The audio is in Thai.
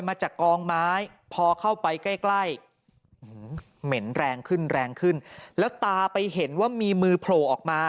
มาจากกองไม้พอเข้าไปใกล้ใกล้เหม็นแรงขึ้นแรงขึ้นแล้วตาไปเห็นว่ามีมือโผล่ออกมา